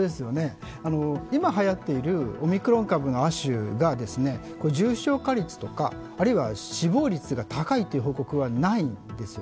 今はやっているオミクロン株の亜種が重症化率とか、あるいは死亡率が高いという報告はないんです。